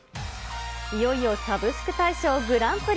いよいよサブスク大賞グランプリ。